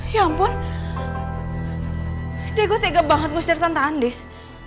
ya ampun deh gue tega banget ngusir tante andis